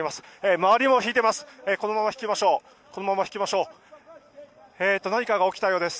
周りも引いています。